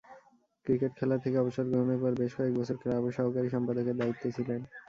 Cricket খেলা থেকে অবসর গ্রহণের পর বেশ কয়েকবছর ক্লাবের সহকারী সম্পাদকের দায়িত্বে ছিলেন।